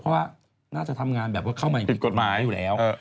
เพราะว่าน่าจะทำงานแบบเข้ามาอยู่แล้ว